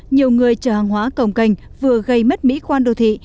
nhiều người chở hàng hóa cồng cành vừa gây mất mỹ khoan đô thị